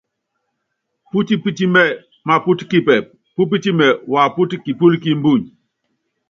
Putipitimɛ mapɔt kipɛp, pupitimɛ wapɔt kipɔl ki mbuny.